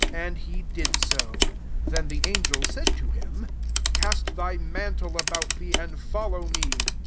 And he did so. Then the angtl said to him, <' Cast thy mantle about thee, and fol low me."